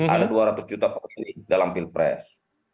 ada dua ratus juta pemilih dalam pilpres